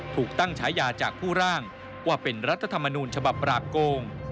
ถูกตั้งฉายาจากผู้ร่างว่าเป็นรัฐธรรมนูญฉบับปราบโกง